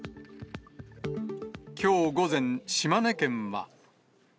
きょう午前、島根県は。